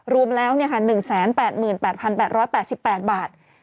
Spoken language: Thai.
รวมแล้ว๑๘๘๘บาท